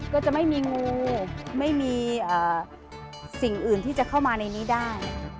ก็จะไม่มีงูไม่มีสิ่งอื่นที่จะเข้ามาในนี้ได้